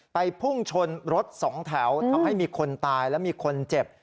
พุ่งชนรถสองแถวทำให้มีคนตายและมีคนเจ็บ